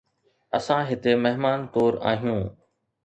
اسان هتي مهمان طور آهيون